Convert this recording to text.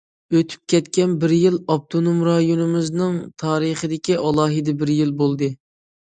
ئۆتۈپ كەتكەن بىر يىل ئاپتونوم رايونىمىزنىڭ تارىخىدىكى ئالاھىدە بىر يىل بولدى.